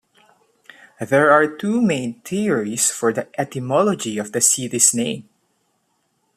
There are two main theories for the etymology of the city's name.